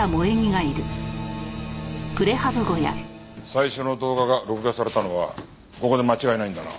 最初の動画が録画されたのはここで間違いないんだな？